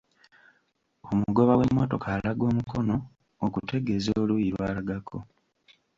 Omugoba w'emmotoka alaga omukono okutegeza oluuyi lw'alagako.